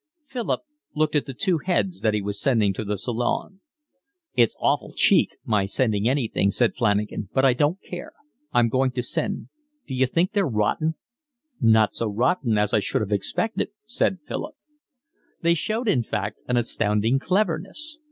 Philip looked at the two heads that he was sending to the Salon. "It's awful cheek my sending anything," said Flanagan, "but I don't care, I'm going to send. D'you think they're rotten?" "Not so rotten as I should have expected," said Philip. They showed in fact an astounding cleverness.